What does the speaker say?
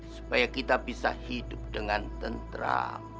supaya kita bisa hidup dengan tentram